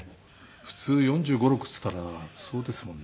普通４５４６っていったらそうですもんね。